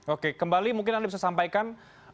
oke kembali mungkin anda bisa sampaikan